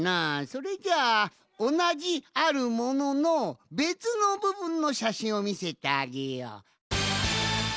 それじゃあおなじ「あるもの」のべつのぶぶんのしゃしんをみせてあげよう。